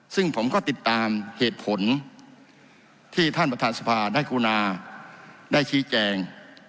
ซึ่งผมก็ติดตามเหตุผลที่ท่านประธานสภาได้กรุณาได้ชี้แจง